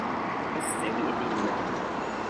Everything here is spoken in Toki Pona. o sewi e nimi ona.